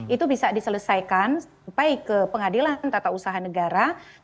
itu bisa diselesaikan sampai ke pengadilan tata usaha negara